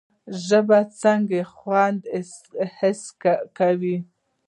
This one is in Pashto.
ژبه څنګه خوند حس کوي؟